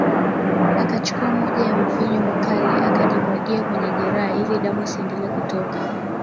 Akachukua moja ya mvinyo mkali akajimwagia kwenye jeraha ili damu isiendelee kutoka